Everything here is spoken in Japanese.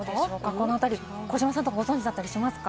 この辺り児嶋さん、ご存じだったりしますか？